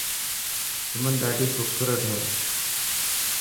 سمن ڏاڌي خوبصورت هي.